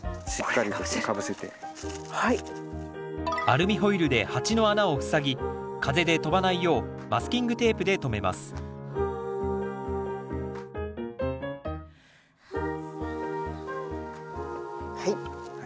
アルミホイルで鉢の穴を塞ぎ風で飛ばないようマスキングテープで留めますはい。